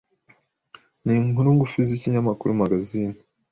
n'inkuru ngufi z'ikinyamakuru magazine